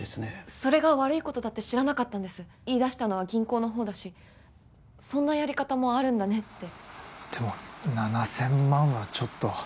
それが悪いことだって知らなかったんです言いだしたのは銀行の方だしそんなやり方もあるんだねってでも７千万はちょっと